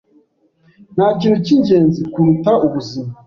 Ntakintu cyingenzi kuruta ubuzima.